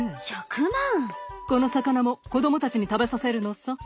この魚も子どもたちに食べさせるのさ。